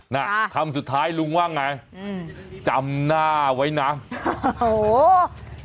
น่ะคำสุดท้ายลุงว่าไงอืมจำหน้าไว้นะโอ้โห